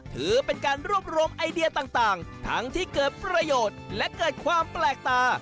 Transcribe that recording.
ถือเป็นการรวบรวมไอเดียต่างทั้งที่เกิดประโยชน์และเกิดความแปลกตา